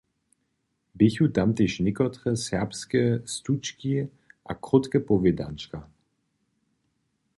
Běchu tam tež někotre serbske štučki a krótke powědančka.